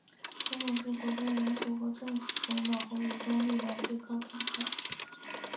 总统是国家元首和政府首脑和武装力量最高统帅。